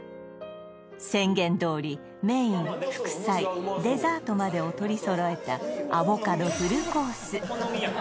宣言どおりメイン副菜デザートまでを取り揃えたアボカドフルコース